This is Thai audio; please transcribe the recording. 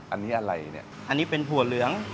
อันนี้อะไรเนี่ยอันนี้เป็นถั่วเหลือง